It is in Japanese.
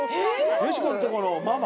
よしこのとこのママ？